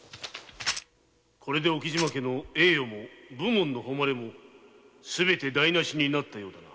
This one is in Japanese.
これで沖島家の栄誉も武門の誉れもすべて台なしになったようだな。